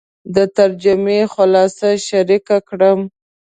د ترجمې خلاصه شریکه کړم.